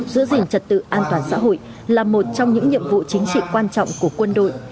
giữ gìn trật tự an toàn xã hội là một trong những nhiệm vụ chính trị quan trọng của quân đội